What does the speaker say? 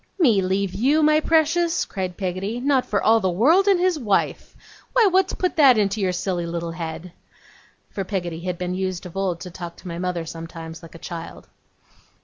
'Me leave you, my precious!' cried Peggotty. 'Not for all the world and his wife. Why, what's put that in your silly little head?' For Peggotty had been used of old to talk to my mother sometimes like a child.